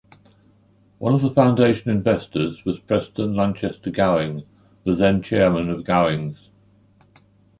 One of the foundation investors was Preston Lanchester Gowing, the then chairman of Gowings.